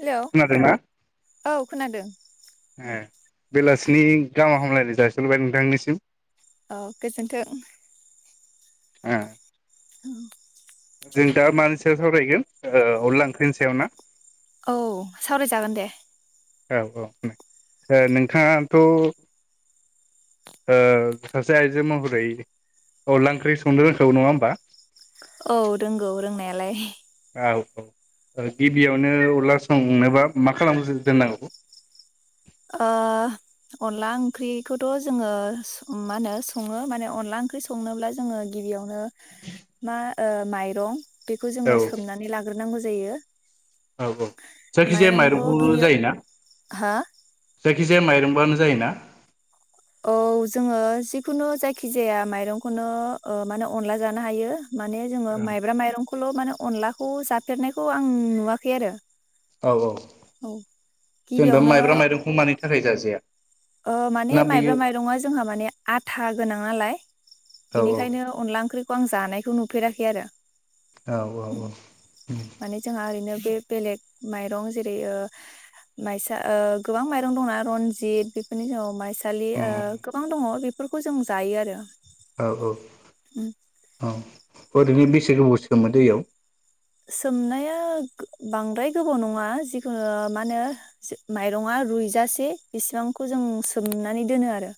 Hello खोनादोंना औ खोनादों। ए बेलासिनि गाहाम हामलायनाय जासिहरबाय नोंथांनिसिम। औ गोजोनथों। ओ औ जों दा मानि सायाव सावरायगोन ओ अनला ओंख्रिनि सायाव ना? औ सावरायजागोन दे। औ औ ओ नोंथाङाथ' ओ सासे आइजो महरै अनला ओंख्रि संनो रोंखागौ नङा ओमबा? लाय औ औ ओ गिबियावनो अनला संनोबा मा खालामग्रोनांगौ? ओ, अनला ओंख्रिखौथ' जोङो मा होनो सङो माने अनला ओंख्रि संनोब्ला जोङो गिबियावनो मा ओ माइरं बेखौ जोङो औ सोमनानै लाग्रोनांगौ जायो औ औ जायखिजाया माइरंखौ जायोना? हा जा यखिजाया माइरंबानो जायोना? औ जोङो जिखुनु जायखि जाया माइरंखोनो ओ मा होनो अनला जानो हायो। माने जोङो माइब्रा माइरं खौल' मानो अनलाखौ जाफेरनायखौ आं नुवाखै आरो। औ औ औ जेनबा गिबियावनो माइब्रा माइरंखौ मानि थाखाय जाजाया? ओ माने ना माइब्रा बेयो माइरंआ जोंहा माने आथा गोनां नालाय औ बिनिखायनो अनला ओंख्रि खौ आं जानायखौ नुफेराखै आरो। औ उम औ औ माने जोंहा ओरैनो होम। बे बेलेग माइरं जेरै ओ माइसा ओ गोबां माइरं दंना रनजित बे फोरनि औ माय सालि औ ओ गोबां दङ बेफोरखौ जों जायो आरो। औ औ उम औ ओरैनो बेसे गोबाव सोमो दैयाव? सोमनाया बांद्राय गोबाव नङा, जिखुनु मा होनो माइरङा रुइजासे बेसिबांखौ जों सोमनानै दोनो आरो।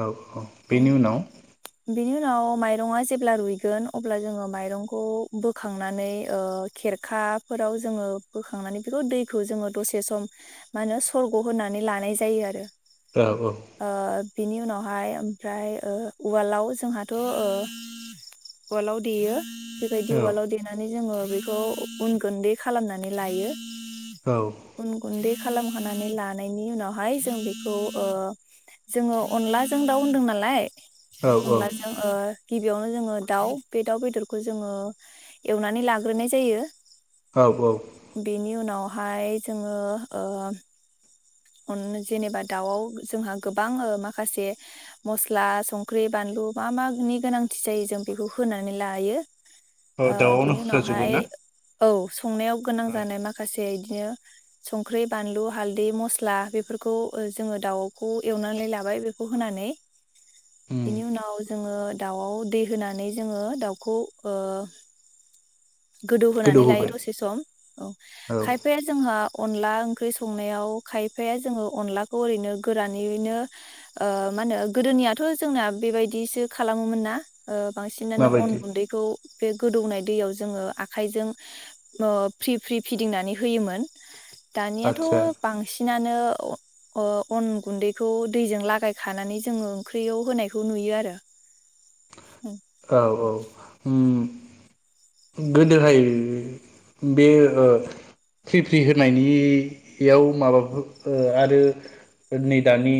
औ। ओ औ बेनि उनाव? बिनि उनाव माइरंआ जेब्ला रुइगोन अब्ला जोङो माइरंखौ बोखांनानै खेरखाफोराव जोङो बोखांनानै बेखौ दैखौ जोङो दसे सम मा होनो सरग' होनानै लानाय जायो आरो। औ औ। ओ बिनि उनावहाय ओमफ्राय ओ उवालाव जोंहाथ' उवालाव देयो। बेबायदि औ उवालाव देनानै जोङो बेखौ अन गुन्दै खालामनानै लायो। औ अन गुन्दै खालाम‌ खानानै लानायनि उनावहाय जों बेखौ ओ जोङो अनलाजों दाउ होनदों नालाय लाय औ अनलाजों ओ गिबियावनो जोङो दाउ बे दाउ बेदरखौ जोङो एवनानै लाग्रोनाय जायो। औ औ बेनि उनाव बेवहाय जोङो ओ अन जेनेबा दाउआव जोंहा गोबां माखासे मस्ला संख्रि बानलु मा मानि गोनांथि जायो जों बेखौ होनानै लायो। औ ओ दाउआवनो बिनि होखा उनावहाय जोबो ना? औ। संनायाव गोनां औ जानाय माखासे इदिनो संख्रि, बानलु, हालदै, मसला मस्ला बेफोरखौ ओ जोङो दाउखौ एवनानै लाबाय बेखौ होनानै उम बेनि उनाव जोङो दाउआव दै होनानै जोङो दाउखौ ओ गोदौ गोदौहोनानै लायो होबाय दसे सम औ। औ खायफाया जोंहा अनला ओंख्रि संनायाव खायफाया जोङो अनलाखौ ओरैनो गोरानैनो ओ मा होनो गोदोनियाथ' जोंना बेबायदिसो खालामोमोन ना। ओ बांसिनानो अन माबायदि गुन्दैखौ बे गोदौनाय दैयाव जों जोङो आखाइजों ओ फ्रि फ्रि फिदिंनानै होयोमोन। दानियाथ' आदसा बांसिन सिनानो ओ अन गुन्दैखौ दैजों लागायखानानै जोङो ओंख्रियाव होनायखौ नुयो आरो। औ औ उम गोदोहाय बे ओ फ्रि फ्रि होनायनियाव माबाफोर ओ आरो नै दानि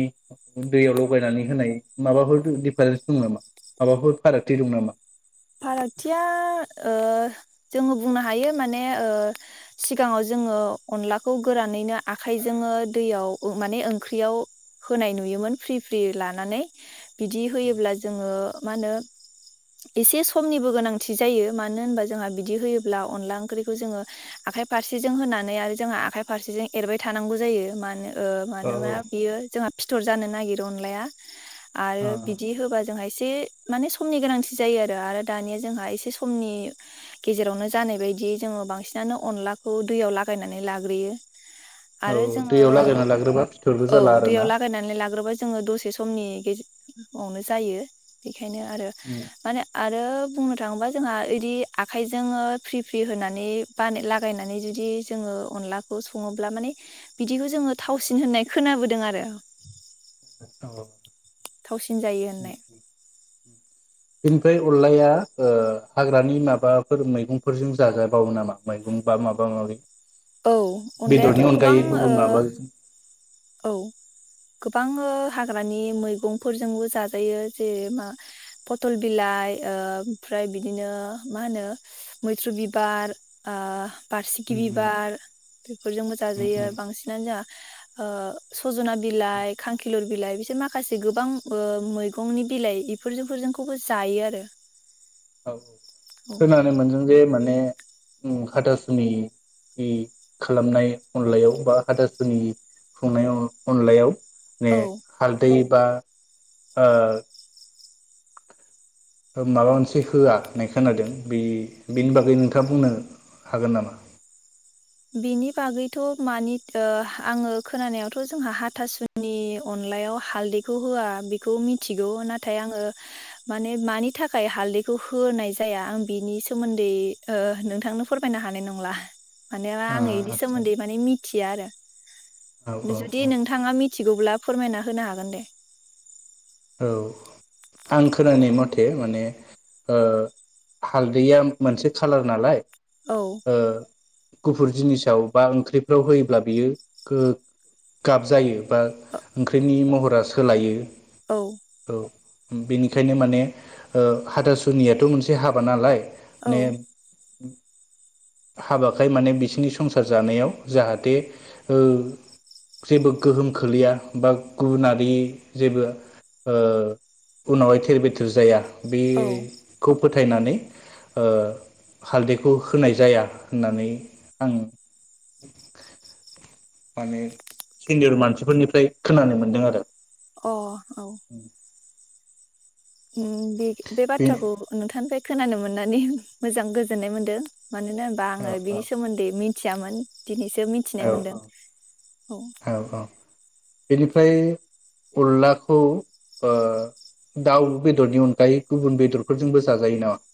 दैयाव लगायनानै होनाय माबाफोर दिफारेन्सफोर दं नामा? माबाफोर फारागथि दं नामा? फारागथिया ओ जोङो बुंनो हायो माने ओ सिगाङाव जोङो अनलाखौ गोरानैनो आखाइजोंनो दैयाव माने ओंख्रियाव होनाय नुयोमोन फ्रि फ्रि लानानै। बिदि होयोब्ला जोङो मा होनो‌ एसे समनिबो गोनांथि जायो मानो होनबा जोंहा बिदि होयोब्ला अनला ओंख्रिखौ जोङो आखाइ फारसेजों होनानै आरो जोंहा आखाइ फारसेजों एरबाय थानांगौ जायो मानो ओ औ मानोबा बियो जोंहा फिथर जानो नागिरो अनलाया औ आरो बिदि होबा जोंहा एसे माने समनि गोनांथि जायो आरो आरो दानिया जोंहा एसे समनि गेजेरावनो जानाय बायदि जोङो बांसिनानो अनलाखौ दैयाव लागायनानै लाग्रोयो। औ आरो जोङो दैयाव लागायना लाग्रोबा फिथरबो औ जाला दैयाव आरोना लागायनानै लाग्रोबा जोङो दसे समनि गेजेवनो जायो बेखायनो आरो आरो बुंनो थाङोबा जोंहा इदि आखाइजोङो फ्रि फ्रि होनानै बान लागायनानै जुदि जोङो अनलाखौ सङोब्ला माने बिदिखौ जोङो थावसिन होननाय खोनाबोदों आरो। औ थावसिन जायो होननाय बे अनलाया ओ हाग्रानि माबाफोर मैगंफोरजों जाजाबावो नामा मैगं बा माबा माबि? औ अनलायाथ' बेदरनि गोबां अनगायै ओ गुबुन माबा औ गोब बां हाग्रानि मैगंफोरजोंबो जाजायो जे मा पथल बिलाइ ओमफ्राय बिदिनो मा होनो मैथ्रु बिबार ओ बारसिखि बिब बार बेफोरजोंबो जाजायो बांसिनानो जोहा ओ सजना बिलाइ खांखिलुर बिलाइ बिसोर माखासे गोबां ओ मैगंनि बिलाइ इफोरजोंफोरखौबो जायो आरो। औ‌ औ औ खोनानो मोनदों जे माने ओम हाथासुनि नि खालामनाय अनलायाव बा हाथासुनि खुंनाय अन अनलायाव ने औ हालदै बा ओ ओ माबा मोनसे होआ होननाय खोनादों बे बेनि बागै नोंथाङा बुंनो हागोन नामा? बेनि बागैथ' मानि ओ आङो खोनानायावथ' जोंहा हाथासुनि अनलायाव हालदैखौ होआ बेखौ मिथिगौ नाथाय आङो माने मानि थाखाय हालदैखौ होनाय जाया आं बिनि सोमोन्दै नोंथांनो ओ फोरमायनो हानाय नंला। माने ना ओ आं बेनि आदसा सोमोन्दै माने मिथ थिया औ आरो औ जुदि औ नोंथाङा मिथिगौब्ला फोरमायना होनो हागोन दे। औ आं खोनानाय मथे माने ओ हालदैया मोनसे खालार नालाय औ ओ गुफुर जिनिसाव बा ओंख्रिफ्राव होयोब्ला बियो गो गाब जायो बा ओंख्रिनि महरा सोलायो। औ ओम बेनिखायनो माने ओ हाथासुनियाथ' मोनसे हाबा नालाय औ नेम हाबाखाय माने बिसिनि संसार जानायाव जाहाथे ओ जेबो गोहोम खोलैया बा गुबुनारि जेबो ओ उनावहाय थेर बेथेर जाया बे औ खुब फोथायनानै ओ हालदैखौ होनाय जाया होननानै आं माने सिनियर मानसिफोरनिफ्राय खोनानो मोनदों आरो। अ औ अम बे-बे बे बाथ्राखौ नोंथांनिफ्राय खोनानो मोननानै मोजां गोजोननाय मोन्दों। मानोना होनबा औ आंङो बिनि सोमोन्दै मि थियामोन दिनैसो मिथिनाय मोनदों औ औ बेनिफ्राय अनलाखौ ओ दाउ बेदरनि अनगायै गुबुन बेदरफोरजोंबो जाजायो नामा।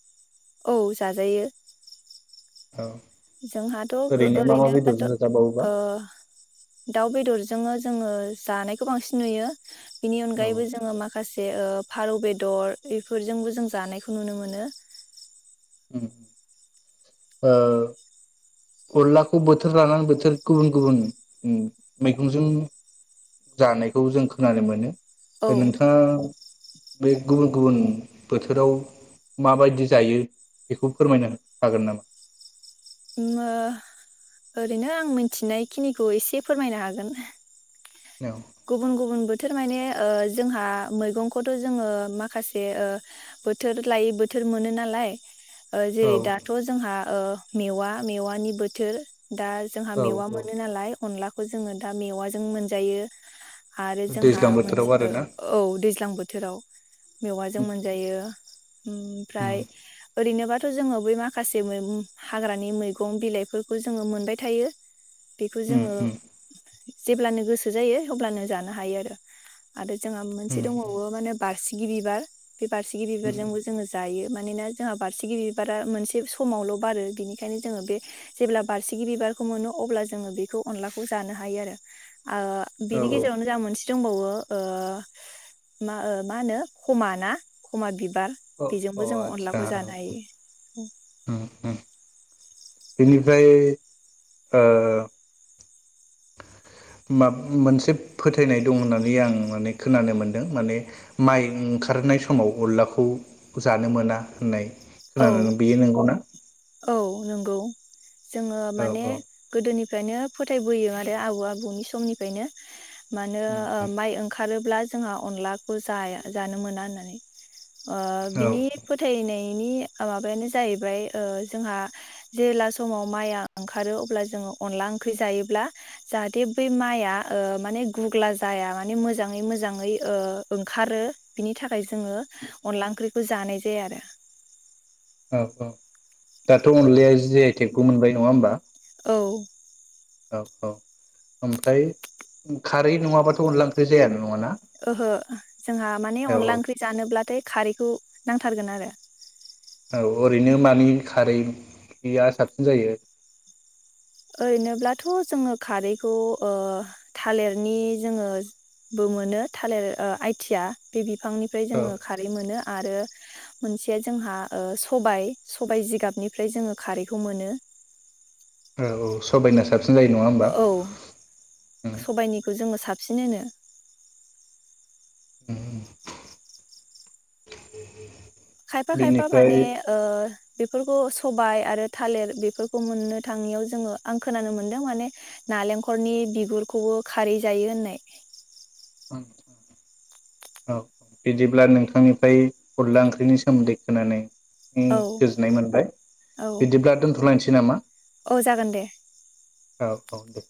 औ जाजायो। औ जोंहाथ गो ओरैनो मा मा ओरैनोबाथ बेदरजों जाजाबावोबा ओ दाउ बेदरजोंनो जोंङो जानायखौ बांसिन नुयो। बिनि औ अनगायैबो जोंङो माखासे ओ फारौ बेदर बेफोरजोंबो जों जानायखौ नुनो मोनो। उम ओ अनलाखौ बोथोर लानानै बोथोर गुबुन-गुबुन मैगंजों जानायखौ जों खोनानो मोनो। औ नोंथाङा बे गुबुन-गुबुन बोथोराव माबायदि जायो बेखौ फोरमायनो हागोन नामा अम ओरैनो आं मिथिनाय खिनिखौ एसे फोरमायनो हागोन। गुबुन-गुबुन बो थोर माने ओ जोंहा मैगंखौथ' जोंङो माखासे ओ बोथोर लायै बोथोर मोनो नालाय ओ जेरै औ दाथ' जोंहा ओ मेवा-मेवानि बोथोर दा जोंहा औ मेवा मोनो औ नालाय अनला बेखौ जोंङो दा मेवाजों मोनजायो। [inaudible] आरो जोंहा दैज्लां मोनसे बोथोराव ओ आरोना औ दैज्लां बो बोथोराव मेवाजों उम मोनजायो ओमफ्राय ओरैनोबाथ' जोङो बै माखासे मैगं हाग्रानि मैगं बिलाइफोरखौ जोङो मोनबाय थायो बेखौ उम जोङो उम जेब्लानो गोसो जायो अब्लानो जानो हायो आरो आरो जोंहा मोनसे उम दंबावो माने बारसि गि बिबार बे बारसिगि उम बिबारजोंबो जोङो जायो मानोना जोंहा बारसिगि बिबारा मोनसे समावल' बारो बिनिखायनो जोङो बे जेब्ला बारसिगि बिबारखौ मोनो अब्ला जोङो बेखौ अनलाखौ जानो हायो आरो ओ औ बिनि औ गेजेरावनो जा मोनसे दंबावो ओ मा मा होनो खमा ना खमा बि बार अ बेजोंबो अ जो आदसा अनलाखौ जानो हायो उम उम बेनिफ्राय ओ मोनसे फोथायनाय दं होननानै आं माने खोनानो मोनदों माने माइ ओंखारनाय समाव अनलाखौ जानो मोना होननाय औ खोनानो बेयो नंगौना औ नंगौ जोङो औ माने औ गोदोनि बेखायनो फोथायबोयो आरो आबौ आबौनि समनिफ्रायनो मानो उम ओ माइ ओंखार खारोब्ला जोंहा अनलाखौ जाया जानो मोना होननानै ओ औ बिनि फोथायनाय नि माबायानो जाहैबाय ओ जोंहा जेब्ला समाव माइआ ओंखारो अब्ला जोङो अनला ओंख्रि जायोब्ला जाहाथे बै माइआ ओ माने गुगब्ला जाया माने मोजाङै मोजाङै ओ ओंखारो बिनि थाखाय जोङो अनला ओंख्रिखौ जानाय जाया आरो औ दाथ अनलाया जि आइ टेक बो मोनबाय नङा होमबा औ औ औ ओमफ्राय खारै नङाबाथ अनला ओंख्रि जाय ना ओहो जोंहा माने औ अनला ओंख्रि जानोब्लाथाय खारैखौ नांथारगोन आरो औ ओरैनो मानि खारैया साबसिन जायो ओरैनोब्लाथ जोङो खारैखौ ओ थालिरनि जोङो बो मोनो थालिर आइथिया बे बिफांनिफ्राय औ जोङो खारै मोनो आरो मोनसेया जोंहा सबायाइ सबायाइ जिगाबनिफ्राय जोङो खारैखौ मोनो औ ओ सबायना साबसिन जायो नङा होमबा औ सबायनिखौ जोङो सा साबसिनो। [inaudible] खायफा खायबा बेनिफ्राय माने ओ। बेफोरखौ सबाय आरो थालिर बेफोरखौ मोननो थांनायाव जोङो आं खोनानो मोनदों माने नालेंखलनि बिगुरखौबो खारै जायो होननाय। औ बिदिब्ला नोंथांनिफ्राय अनला ओंख्रिनि सोमोन्दै खोनानाय। औ गोजोननाय मोनबाय औ बिदिब्ला दोन्थलायनोसै। सै नामा। औ जागोन दे। औ औ दे।